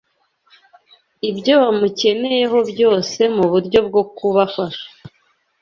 ibyo bamukeneyeho byose mu buryo bwo kubafasha